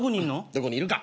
どこにいるか。